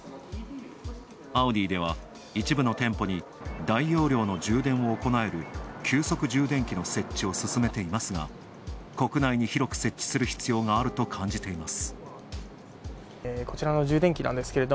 アウディでは、一部の店舗に大容量の充電を行える急速充填機の設置を進めていますが、国内に広く設置する必要があると感じています。